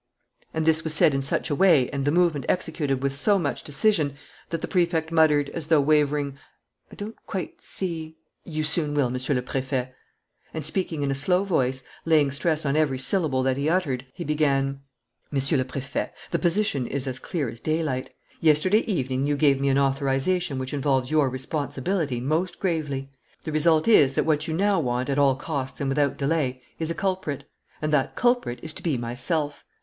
And this was said in such a way and the movement executed with so much decision that the Prefect muttered, as though wavering: "I don't quite see " "You soon will, Monsieur le Préfet." And, speaking in a slow voice, laying stress on every syllable that he uttered, he began: "Monsieur le Préfet, the position is as clear as daylight. Yesterday evening you gave me an authorization which involves your responsibility most gravely. The result is that what you now want, at all costs and without delay, is a culprit. And that culprit is to be myself.